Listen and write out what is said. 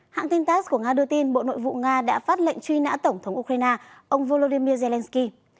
hãng tin tass của nga đưa tin bộ nội vụ nga đã phát lệnh truy nã tổng thống ukraine ông volodymyr zelensky